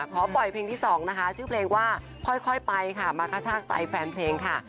ขอปล่อยเพลงที่๒นะคะชื่อเพลงว่าค่อยไปค่ะมากระชากใจแฟนเพลงค่ะ